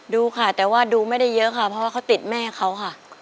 ดูค่ะแต่ว่าดูไม่ได้เยอะค่ะเพราะว่าเขาติดแม่เขาค่ะ